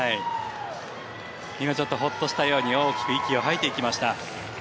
今、ほっとしたように息を吐いていきました。